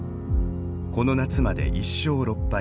この夏まで１勝６敗。